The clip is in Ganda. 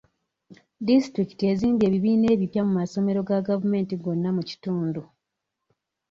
Disitulikiti ezimbye abibiina ebipya mu masomero ga gavumenti gonna mu kitundu.